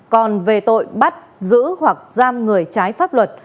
còn về tội bắt giữ hoặc giam người trái pháp luật